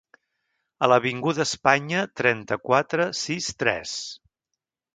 A l'avinguda espanya, trenta-quatre, sis-tres.